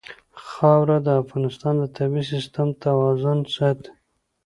خاوره د افغانستان د طبعي سیسټم توازن ساتي.